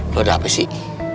lo ada apa sih